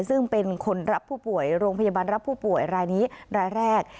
ซึ่งเป็นคนรับผู้ป่วยโรงพยาบาลรับผู้ป่วยรายนี้รายแรก